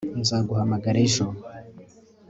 Nzaguhamagara ejo